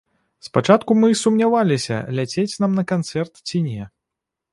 Спачатку мы сумняваліся, ляцець нам на канцэрт ці не.